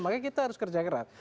maka kita harus kerja keras